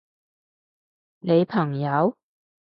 你朋友？